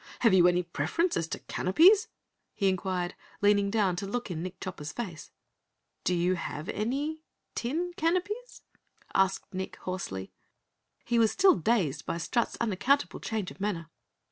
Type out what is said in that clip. Have you any preference as to canopies?" he inquired, leaning down to look in Nick Chopper's face. "Do you have any tin canopies?" asked Nick hoarsely. He was still dazed by Strut's unaccountable change of manner.